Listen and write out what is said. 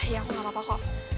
ya aku gak apa apa kok